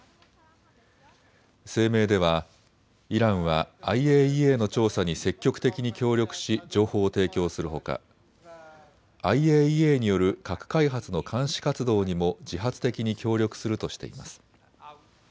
声明ではイランはＩＡＥＡの調査に積極的に協力し情報を提供するほかＩＡＥＡによる核開発の監視活動にも自発的に協力するとしています。